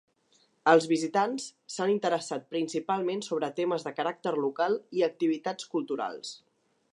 Els visitants s’han interessat principalment sobre temes de caràcter local i activitats culturals.